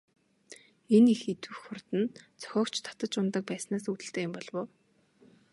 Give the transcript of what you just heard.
Энэ их идэвх хурд нь зохиогч татаж унадаг байснаас үүдэлтэй юм болов уу?